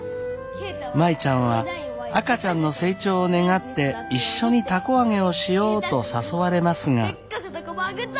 舞ちゃんは赤ちゃんの成長を願って一緒に凧あげをしようと誘われますが。